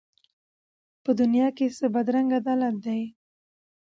په دنیا کي څه بدرنګه عدالت دی